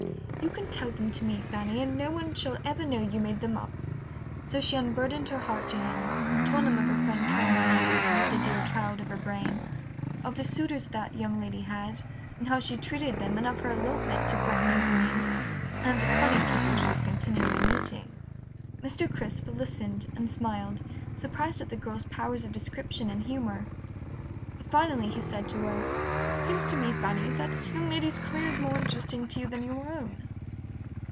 "You can tell them to me, Fanny, and no one shall ever know you made them up." So she unburdened her heart to him, told him of her friend Caroline Evelyn, the dear child of her brain, of the suitors that young lady had, and how she treated them, and of her elopement to Gretna Green, and of the funny people she was continually meeting. Mr. Crisp listened and smiled, surprised at the girl's powers of description and humor. Finally he said to her, "It seems to me, Fanny, that young lady's career is more interesting to you than your own."